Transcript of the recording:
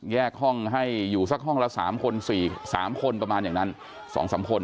แยกห้องให้อยู่สักห้องละ๓คน๔๓คนประมาณอย่างนั้น๒๓คน